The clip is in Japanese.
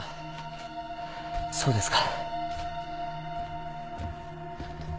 そうですか。